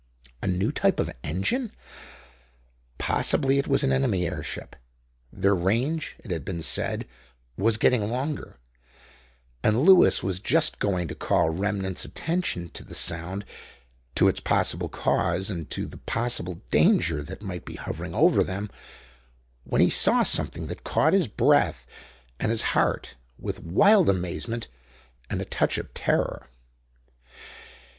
A new type of engine? Possibly it was an enemy airship; their range, it had been said, was getting longer; and Lewis was just going to call Remnant's attention to the sound, to its possible cause, and to the possible danger that might be hovering over them, when he saw something that caught his breath and his heart with wild amazement and a touch of terror.